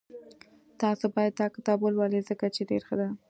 تاسو باید داکتاب ولولئ ځکه چی ډېر ښه ده